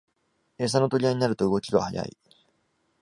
エサの取り合いになると動きが速い